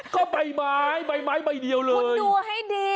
ก็ใบไม้ใบไม้ใบเดียวเลยคุณดูให้ดี